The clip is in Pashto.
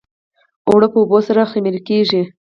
اوړه په اوبو سره خمیر کېږي